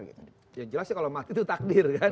yang jelas sih kalau mati itu takdir kan